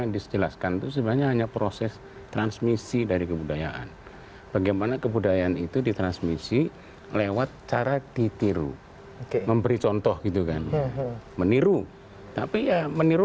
di jawabannya lebih asik di segmen berikutnya